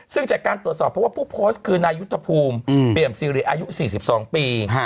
ซึ่งจากการตรวจสอบเพราะว่าผู้โพสต์คือนายุทธภูมิเปี่ยมซีริอายุ๔๒ปี